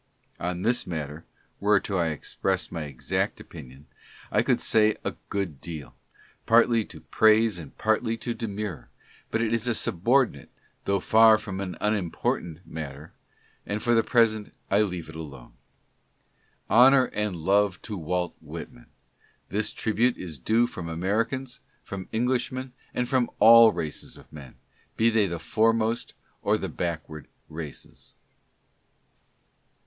On this matter — were I to express my exact opinion — I could say a good deal, partly to praise and 3 (49) 50 LETTERS. partly to demur : but it is a subordinate (tho' far from an unim portant) matter, and for the present I leave it alone. Honor and love to Walt Whitman. This tribute is due from Americans, from Englishmen and from all races of men, be they the foremost or the backward races.